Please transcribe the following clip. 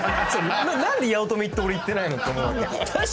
何で八乙女行って俺行ってないの？って思うわけ。